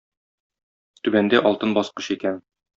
Түбәндә алтын баскыч икән.